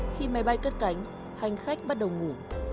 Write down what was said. khi máy bay cất cánh hành khách bắt đầu ngủ